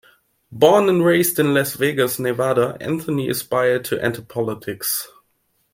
Born and raised in Las Vegas, Nevada, Anthony aspired to enter politics.